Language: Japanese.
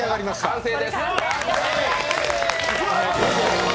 完成です。